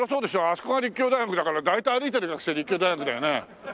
あそこが立教大学だから大体歩いてる学生立教大学だよね。